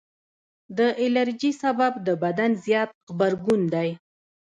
د الرجي سبب د بدن زیات غبرګون دی.